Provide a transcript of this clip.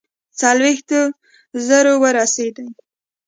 څلوېښتو زرو ورسېدی.